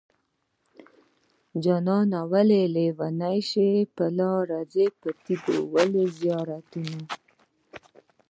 جانانه ولې لېونی شوې په لاره ځې په تيګو ولې زيارتونه